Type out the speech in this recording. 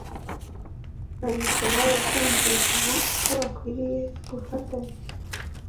Baricara bakumvikana uko bakwiriye gufatanya